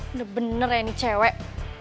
udah bener ya ini cewek